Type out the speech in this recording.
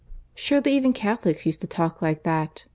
Surely even Catholics used to talk like that!